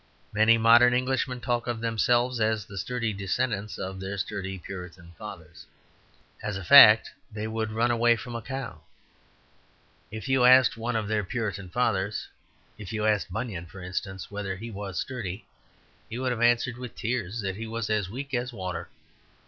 Many modern Englishmen talk of themselves as the sturdy descendants of their sturdy Puritan fathers. As a fact, they would run away from a cow. If you asked one of their Puritan fathers, if you asked Bunyan, for instance, whether he was sturdy, he would have answered, with tears, that he was as weak as water.